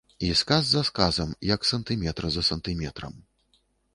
І сказ за сказам, як сантыметр за сантыметрам.